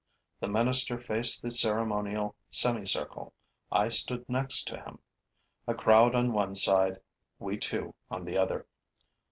The minister faced the ceremonial semicircle. I stood next to him. A crowd on one side, we two on the other.